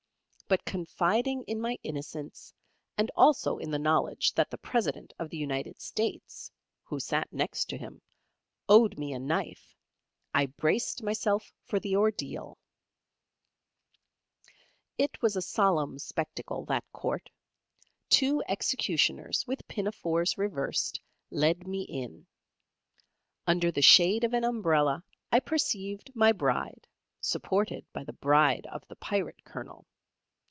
But confiding in my innocence, and also in the knowledge that the President of the United States (who sat next him) owed me a knife, I braced myself for the ordeal. [Illustration: "TWO EXECUTIONERS WITH PINAFORES REVERSED."] It was a solemn spectacle, that court. Two executioners with pinafores reversed, led me in. Under the shade of an umbrella, I perceived my Bride, supported by the Bride of the Pirate Colonel.